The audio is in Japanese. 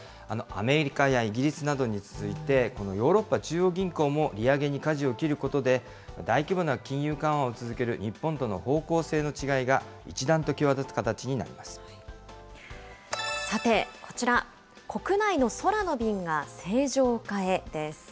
アメリカやイギリスなどに続いて、このヨーロッパ中央銀行も利上げにかじを切ることで、大規模な金融緩和を続ける日本との方向性の違いが一段と際立つ形さて、こちら、国内の空の便が正常化へです。